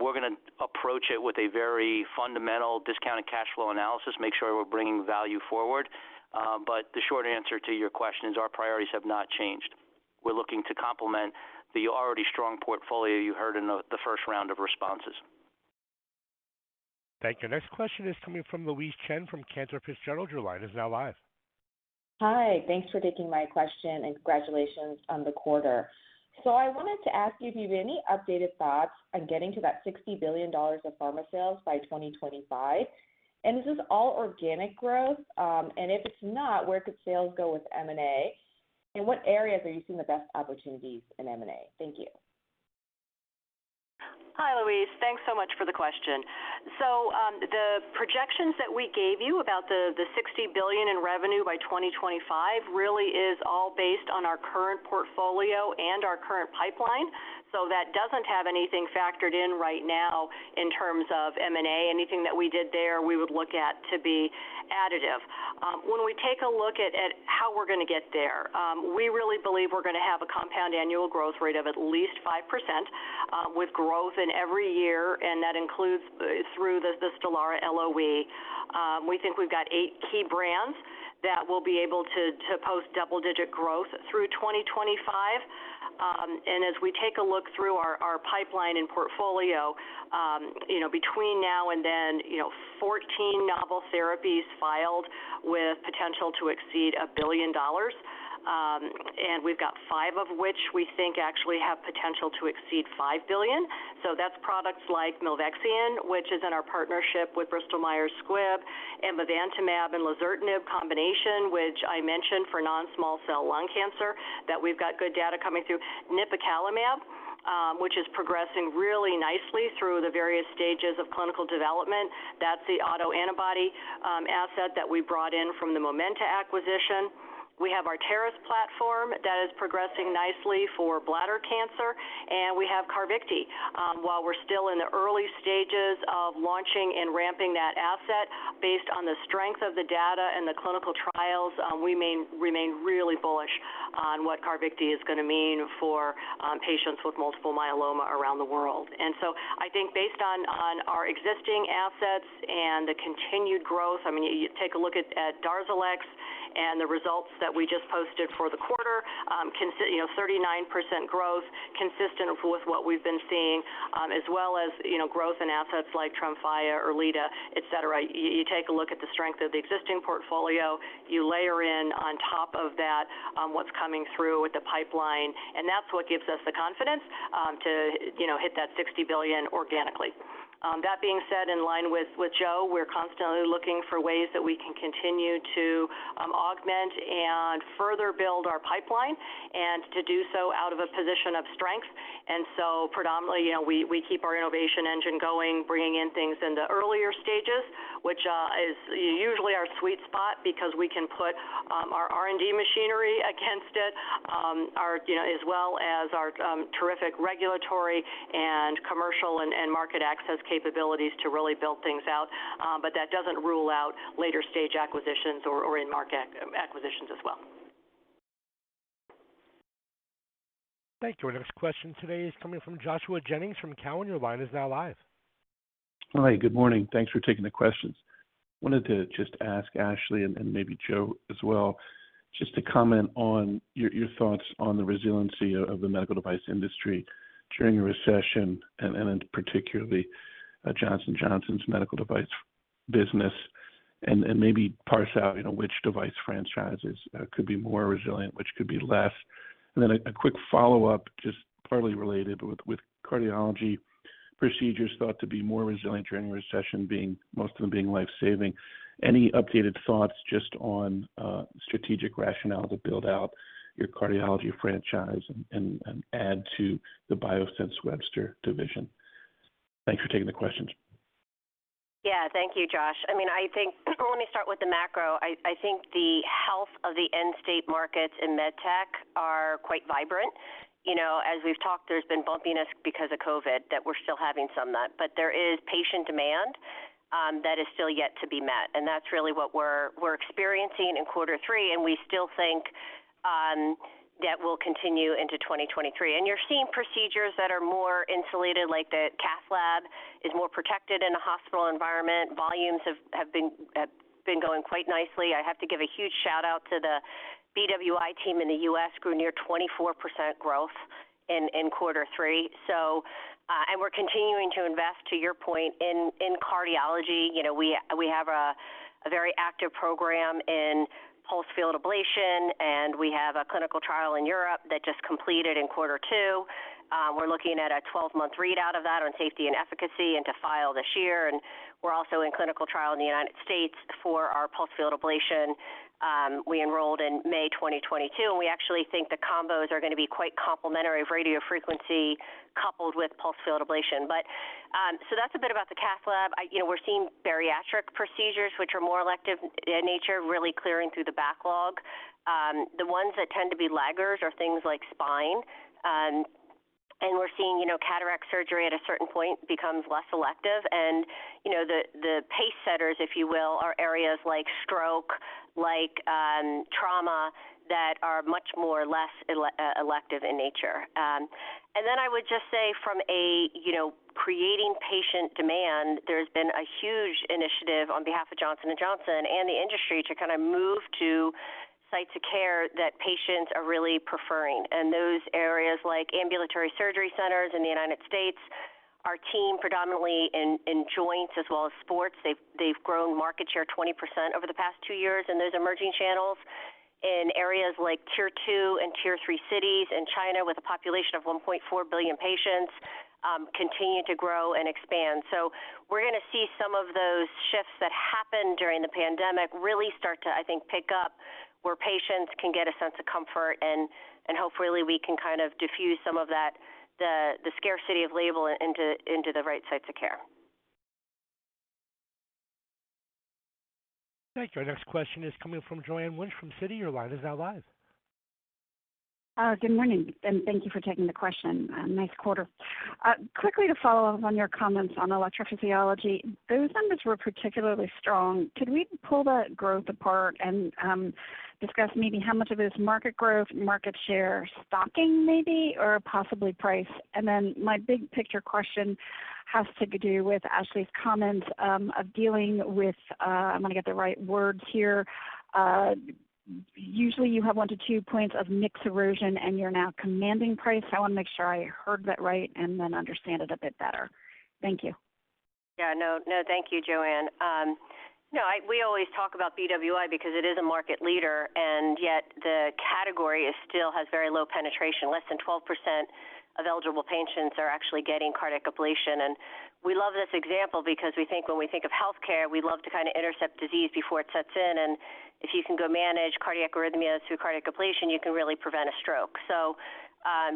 We're gonna approach it with a very fundamental discounted cash flow analysis, make sure we're bringing value forward. The short answer to your question is our priorities have not changed. We're looking to complement the already strong portfolio you heard in the first round of responses. Thank you. Next question is coming from Louise Chen from Cantor Fitzgerald. Your line is now live. Hi. Thanks for taking my question, and congratulations on the quarter. I wanted to ask you if you have any updated thoughts on getting to that $60 billion of pharma sales by 2025. Is this all organic growth? If it's not, where could sales go with M&A? In what areas are you seeing the best opportunities in M&A? Thank you. Hi, Louise. Thanks so much for the question. The projections that we gave you about the $60 billion in revenue by 2025 really is all based on our current portfolio and our current pipeline. That doesn't have anything factored in right now in terms of M&A. Anything that we did there, we would look at to be additive. When we take a look at how we're gonna get there, we really believe we're gonna have a compound annual growth rate of at least 5%, with growth in every year, and that includes through the Stelara LOE. We think we've got 8 key brands that will be able to post double-digit growth through 2025. As we take a look through our pipeline and portfolio, you know, between now and then, you know, 14 novel therapies filed with potential to exceed $1 billion. We've got 5 of which we think actually have potential to exceed $5 billion. That's products like Milvexian, which is in our partnership with Bristol Myers Squibb, and Amivantamab and Lazertinib combination, which I mentioned for non-small cell lung cancer that we've got good data coming through. Nipocalimab, which is progressing really nicely through the various stages of clinical development. That's the autoantibody asset that we brought in from the Momenta acquisition. We have our TAR-200 platform that is progressing nicely for bladder cancer, and we have CARVYKTI. While we're still in the early stages of launching and ramping that asset based on the strength of the data and the clinical trials, we remain really bullish on what CARVYKTI is gonna mean for patients with multiple myeloma around the world. I think based on our existing assets and the continued growth, I mean, you take a look at Darzalex and the results that we just posted for the quarter, you know, 39% growth consistent with what we've been seeing, as well as, you know, growth in assets like Tremfya, Erleada, et cetera. You take a look at the strength of the existing portfolio, you layer in on top of that, what's coming through with the pipeline, and that's what gives us the confidence to, you know, hit that $60 billion organically. That being said, in line with Joe, we're constantly looking for ways that we can continue to augment and further build our pipeline and to do so out of a position of strength. Predominantly, you know, we keep our innovation engine going, bringing in things in the earlier stages, which is usually our sweet spot because we can put our R&D machinery against it, our, you know, as well as our terrific regulatory and commercial and market access capabilities to really build things out. That doesn't rule out later stage acquisitions or in-market acquisitions as well. Thank you. Our next question today is coming from Joshua Jennings from Cowen. Your line is now live. Hi, good morning. Thanks for taking the questions. Wanted to just ask Ashley and maybe Joe as well, just to comment on your thoughts on the resiliency of the medical device industry during a recession and particularly Johnson & Johnson's medical device business and maybe parse out, you know, which device franchises could be more resilient, which could be less. Then a quick follow-up, just partly related with cardiology procedures thought to be more resilient during a recession, most of them being life-saving. Any updated thoughts just on strategic rationale to build out your cardiology franchise and add to the Biosense Webster division? Thanks for taking the questions. Yeah. Thank you, Joshua. I mean, I think. Let me start with the macro. I think the health of the end state markets in MedTech are quite vibrant. You know, as we've talked, there's been bumpiness because of COVID that we're still having some of that. But there is patient demand that is still yet to be met, and that's really what we're experiencing in Q3 and we still think that will continue into 2023. You're seeing procedures that are more insulated, like the cath lab is more protected in a hospital environment. Volumes have been going quite nicely. I have to give a huge shout-out to the BWI team in the U.S., grew near 24% growth in Q3. So, and we're continuing to invest, to your point, in cardiology. You know, we have a very active program in Pulsed Field Ablation, and we have a clinical trial in Europe that just completed in Q2. We're looking at a 12-month readout of that on safety and efficacy and to file this year. We're also in clinical trial in the United States for our Pulsed Field Ablation. We enrolled in May 2022, and we actually think the combos are gonna be quite complementary of radiofrequency coupled with Pulsed Field Ablation. That's a bit about the cath lab. You know, we're seeing bariatric procedures, which are more elective in nature, really clearing through the backlog. The ones that tend to be laggards are things like spine. We're seeing, you know, cataract surgery at a certain point becomes less elective. You know, the pace setters, if you will, are areas like stroke, like, trauma, that are much more less elective in nature. I would just say from a, you know, creating patient demand, there's been a huge initiative on behalf of Johnson & Johnson and the industry to kind of move to sites of care that patients are really preferring. Those areas like ambulatory surgery centers in the United States, our team predominantly in joints as well as sports, they've grown market share 20% over the past 2 years in those emerging channels. In areas like tier 2 and tier 3 cities in China, with a population of 1.4 billion patients, continue to grow and expand. We're gonna see some of those shifts that happened during the pandemic really start to, I think, pick up where patients can get a sense of comfort, and hopefully we can kind of diffuse some of that, the scarcity of label into the right sites of care. Thank you. Our next question is coming from Joanne Wuensch from Citi. Your line is now live. Good morning, and thank you for taking the question. Nice quarter. Quickly to follow up on your comments on electrophysiology, those numbers were particularly strong. Could we pull that growth apart and discuss maybe how much of it is market growth, market share, stocking maybe, or possibly price? Then my big picture question has to do with Ashley's comments of dealing with, I'm gonna get the right words here. Usually, you have 1-2 points of mix erosion and you're now commanding price. I wanna make sure I heard that right and then understand it a bit better. Thank you. Yeah. No, no. Thank you, Joanne. We always talk about Biosense Webster because it is a market leader, and yet the category still has very low penetration. Less than 12% of eligible patients are actually getting cardiac ablation. We love this example because we think when we think of healthcare, we love to kind of intercept disease before it sets in. If you can manage cardiac arrhythmias through cardiac ablation, you can really prevent a stroke.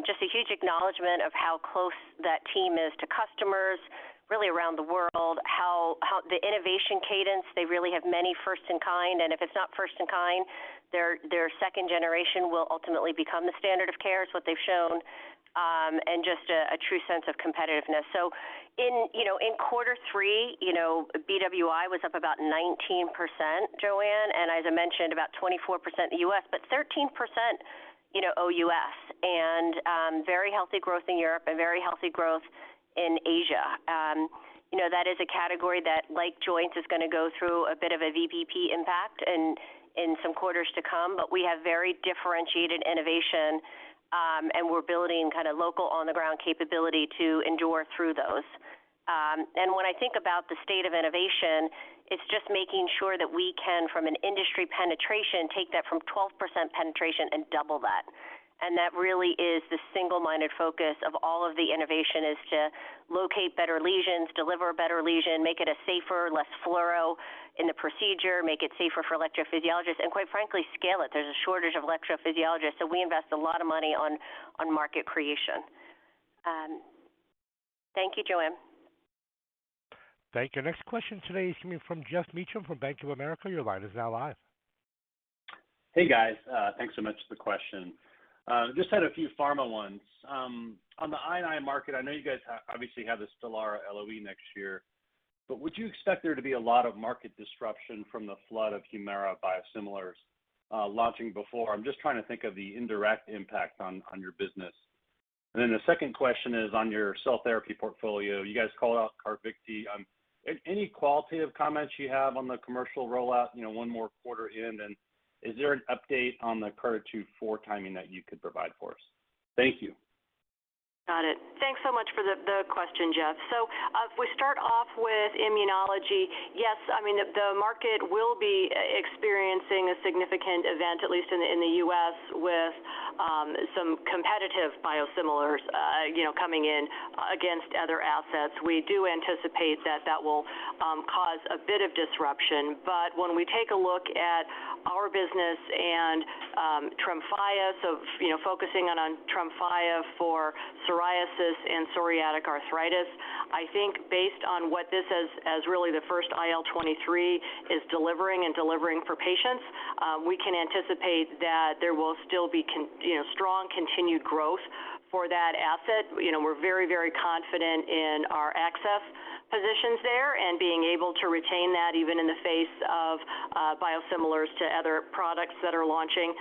Just a huge acknowledgment of how close that team is to customers really around the world, how the innovation cadence, they really have many first-in-kind. If it's not first-in-kind, their second generation will ultimately become the standard of care, what they've shown, and just a true sense of competitiveness. In Q3, BWI was up about 19%, Joanne, and as I mentioned, about 24% in the U.S., but 13%, OUS. Very healthy growth in Europe and very healthy growth in Asia. That is a category that, like joints, is gonna go through a bit of a VBP impact in some quarters to come. But we have very differentiated innovation, and we're building kind of local on-the-ground capability to endure through those. When I think about the state of innovation, it's just making sure that we can, from an industry penetration, take that from 12% penetration and double that. that really is the single-minded focus of all of the innovation is to locate better lesions, deliver a better lesion, make it a safer, less fluoro in the procedure, make it safer for electrophysiologists, and quite frankly, scale it. There's a shortage of electrophysiologists, so we invest a lot of money on market creation. Thank you, Joanne. Thank you. Our next question today is coming from Geoff Meacham from Bank of America. Your line is now live. Hey, guys. Thanks so much for the question. Just had a few pharma ones. On the I&I market, I know you guys obviously have the Stelara LOE next year, but would you expect there to be a lot of market disruption from the flood of Humira biosimilars launching before? I'm just trying to think of the indirect impact on your business. The second question is on your cell therapy portfolio. You guys called out CARVYKTI, any qualitative comments you have on the commercial rollout, one more quarter in? Is there an update on the CARTITUDE-4 timing that you could provide for us? Thank you. Got it. Thanks so much for the question, Geoff. If we start off with immunology, yes, I mean, the market will be experiencing a significant event, at least in the U.S. with some competitive biosimilars, you know, coming in against other assets. We do anticipate that will cause a bit of disruption. When we take a look at our business and Tremfya, you know, focusing in on Tremfya for psoriasis and psoriatic arthritis, I think based on what this as really the first IL-23 is delivering for patients, we can anticipate that there will still be, you know, strong continued growth for that asset. You know, we're very, very confident in our access positions there and being able to retain that even in the face of biosimilars to other products that are launching.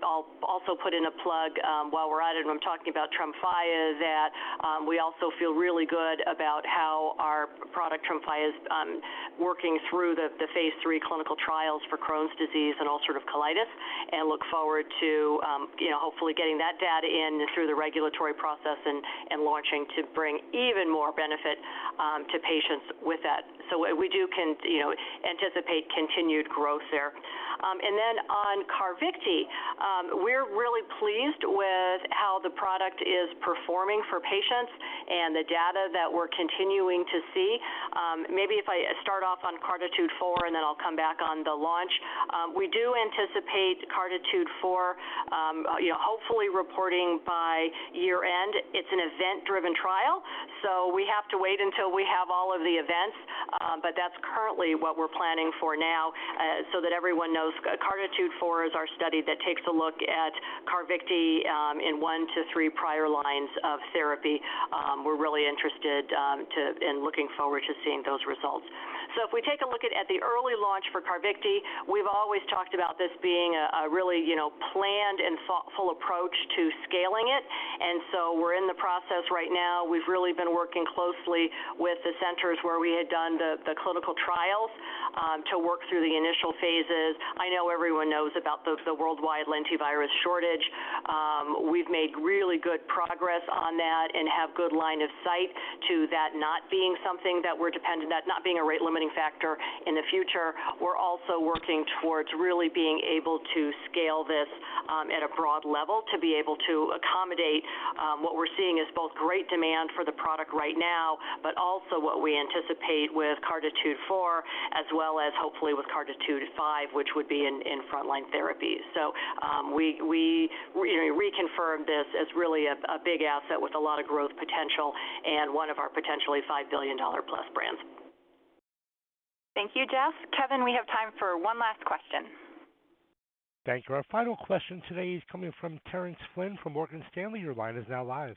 I'll also put in a plug while we're at it, when I'm talking about Tremfya that we also feel really good about how our product Tremfya is working through the phase 3 clinical trials for Crohn's disease and ulcerative colitis, and look forward to, you know, hopefully getting that data in through the regulatory process and launching to bring even more benefit to patients with that. We do, you know, anticipate continued growth there. On CARVYKTI, we're really pleased with how the product is performing for patients and the data that we're continuing to see. Maybe if I start off on CARTITUDE-4 and then I'll come back on the launch. We do anticipate CARTITUDE-4, you know, hopefully reporting by year-end. It's an event-driven trial, so we have to wait until we have all of the events. But that's currently what we're planning for now. So that everyone knows, CARTITUDE-4 is our study that takes a look at CARVYKTI, in 1-3 prior lines of therapy. We're really interested and looking forward to seeing those results. If we take a look at the early launch for CARVYKTI, we've always talked about this being a really, you know, planned and thoughtful approach to scaling it. We're in the process right now. We've really been working closely with the centers where we had done the clinical trials to work through the initial phases. I know everyone knows about the worldwide Lentivirus shortage. We've made really good progress on that and have good line of sight to that not being a rate-limiting factor in the future. We're also working towards really being able to scale this at a broad level to be able to accommodate what we're seeing as both great demand for the product right now, but also what we anticipate with CARTITUDE-4, as well as hopefully with CARTITUDE-5, which would be in frontline therapy. We reconfirm this as really a big asset with a lot of growth potential and 1 of our potentially $5 billion-plus brands. Thank you, Jeff. Kevin, we have time for 1 last question. Thank you. Our final question today is coming from Terence Flynn from Morgan Stanley. Your line is now live.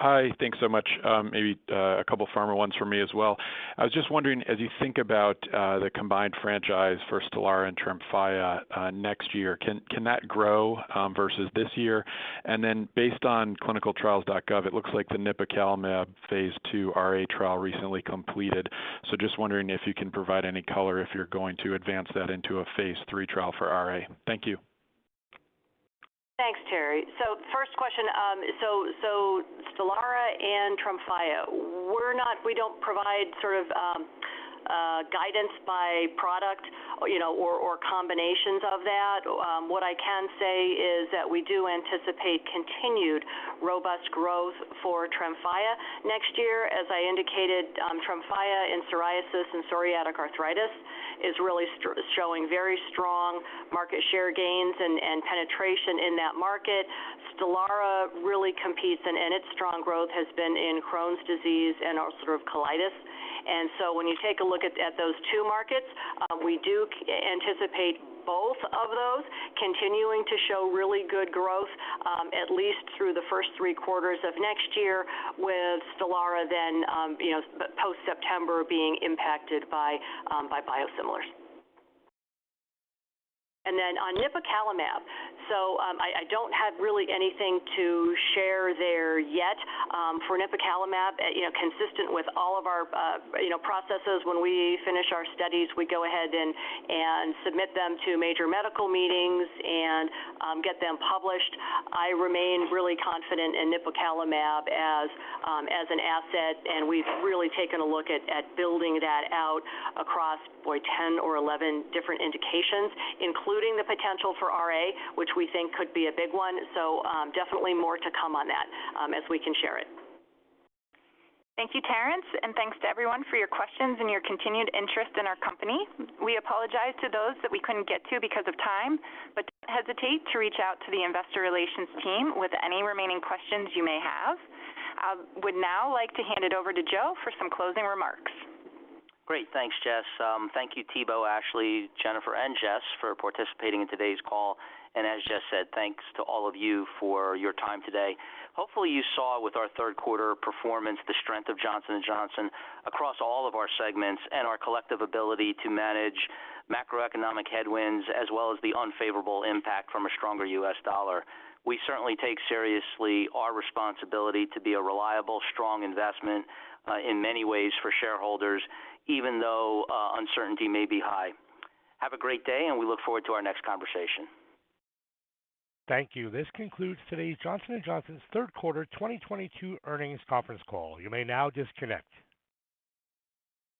Hi. Thanks so much. Maybe a couple pharma ones for me as well. I was just wondering, as you think about the combined franchise for Stelara and Tremfya next year, can that grow versus this year? Then based on ClinicalTrials.gov, it looks like the Nipocalimab phase 2 RA trial recently completed. Just wondering if you can provide any color if you're going to advance that into a phase 3 trial for RA. Thank you. Thanks, Terry. First question. Stelara and Tremfya. We don't provide sort of, guidance by product or, you know, or combinations of that. What I can say is that we do anticipate continued robust growth for Tremfya next year. As I indicated, Tremfya in psoriasis and psoriatic arthritis is really showing very strong market share gains and penetration in that market. Stelara really competes, and its strong growth has been in Crohn's disease and ulcerative colitis. When you take a look at those 2 markets, we do anticipate both of those continuing to show really good growth, at least through the first 3 quarters of next year with Stelara then, you know, post-September being impacted by biosimilars. Then on Nipocalimab. I don't have really anything to share there yet. For Nipocalimab, you know, consistent with all of our, you know, processes, when we finish our studies, we go ahead and submit them to major medical meetings and get them published. I remain really confident in Nipocalimab as an asset, and we've really taken a look at building that out across 10 or 11 different indications, including the potential for RA, which we think could be a big one. Definitely more to come on that, as we can share it. Thank you, Terence, and thanks to everyone for your questions and your continued interest in our company. We apologize to those that we couldn't get to because of time, but don't hesitate to reach out to the investor relations team with any remaining questions you may have. I would now like to hand it over to Joe for some closing remarks. Great. Thanks, Jess. Thank you, Thibaut, Ashley, Jennifer, and Jessicah for participating in today's call. As Jessicah said, thanks to all of you for your time today. Hopefully, you saw with our third quarter performance the strength of Johnson & Johnson across all of our segments and our collective ability to manage macroeconomic headwinds as well as the unfavorable impact from a stronger U.S. dollar. We certainly take seriously our responsibility to be a reliable, strong investment, in many ways for shareholders, even though uncertainty may be high. Have a great day, and we look forward to our next conversation. Thank you. This concludes today's Johnson & Johnson's third quarter 2022 earnings conference call. You may now disconnect.